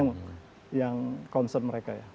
nah ini yang concern mereka ya